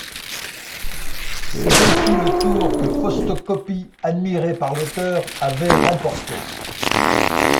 C'est aussi le Tour que Fausto Coppi, admiré par l'auteur, avait remporté.